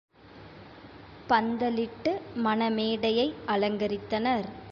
பந்தலிட்டு மண மேடையை அலங்கரித்தனர்.